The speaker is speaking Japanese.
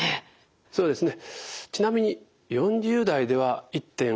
そうですね。